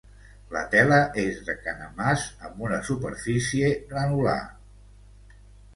La tela és de canemàs amb una superfície granular.